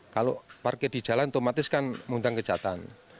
kalau parkir di jalan otomatis kan mengundang kejahatan